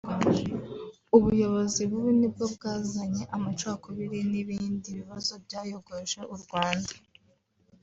ubuyobozi bubi nibwo bwazanye amacakubiri n’ibindi bibazo byayogoje u Rwanda